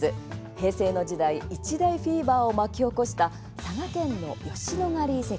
平成の時代一大フィーバーを巻き起こした佐賀県の吉野ヶ里遺跡。